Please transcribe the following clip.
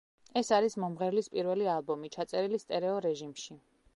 ეს არის მომღერლის პირველი ალბომი, ჩაწერილი სტერეო რეჟიმში.